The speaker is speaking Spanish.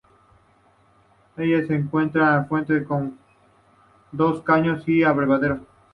En ella se encuentra la fuente con dos caños y el abrevadero.